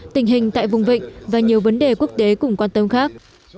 tình hình tại vùng vịnh và nhiều vấn đề quốc tế cùng quan tâm khác